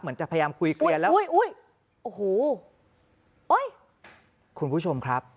เหมือนจะพยายามคุยเกลียนแล้วอุ้ยอุ้ยโอ้โหคุณผู้ชมครับ